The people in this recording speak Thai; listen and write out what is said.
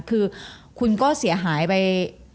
คือคุณก็เสียหายไป